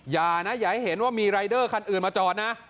อย่านะอย่าให้เห็นว่ามีรายเดอร์คันอื่นมาจอดนะ